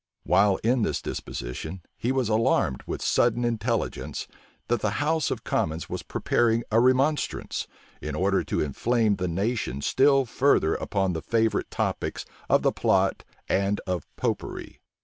While in this disposition, he was alarmed with sudden intelligence, that the house of commons was preparing a remonstrance, in order to inflame the nation still further upon the favorite topics of the plot and of Popery.